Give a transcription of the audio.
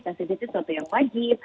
nentasitis itu yang wajib